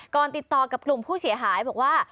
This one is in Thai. ติดต่อกับกลุ่มผู้เสียหายบอกว่า